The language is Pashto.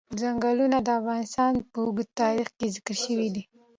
ځنګلونه د افغانستان په اوږده تاریخ کې ذکر شوی دی.